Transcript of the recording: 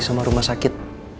sama rumah sakit